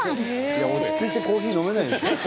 いや落ち着いてコーヒー飲めないでしょ。